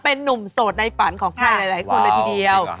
เป็นนุ่มโสดในฝันของใครหลายคนเลยทีเดียว